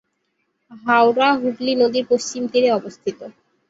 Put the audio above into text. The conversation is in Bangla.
হাওড়া হুগলি নদীর পশ্চিম তীরে অবস্থিত।